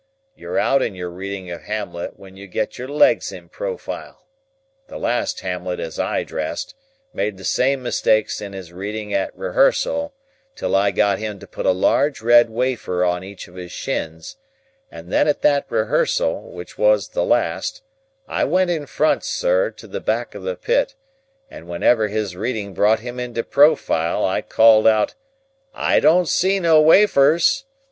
You're out in your reading of Hamlet when you get your legs in profile. The last Hamlet as I dressed, made the same mistakes in his reading at rehearsal, till I got him to put a large red wafer on each of his shins, and then at that rehearsal (which was the last) I went in front, sir, to the back of the pit, and whenever his reading brought him into profile, I called out "I don't see no wafers!"